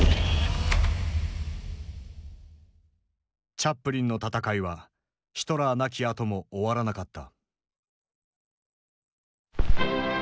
チャップリンの闘いはヒトラー亡きあとも終わらなかった。